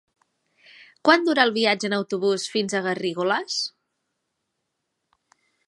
Quant dura el viatge en autobús fins a Garrigoles?